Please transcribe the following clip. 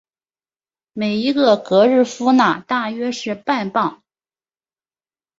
每一个格日夫纳大约是半磅。